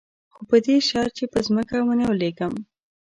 خو په دې شرط چې پر ځمکه ونه لېږم.